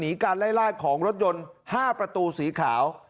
การไล่ล่าของรถยนต์๕ประตูสีขาว